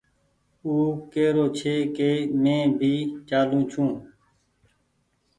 او ڪيرو ڇي ڪي مينٚ بي چآلون ڇو